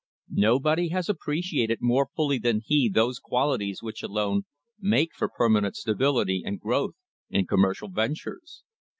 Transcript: Nobody has appreciated more fully than he those qualities which alone make for per manent stability and growth in commercial ventures.